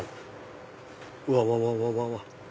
うわわわわ！